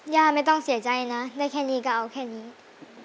ย่าไม่ต้องเสียใจนะได้แค่นี้ก็เอาแค่นี้